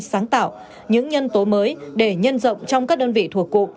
sáng tạo những nhân tố mới để nhân rộng trong các đơn vị thuộc cụm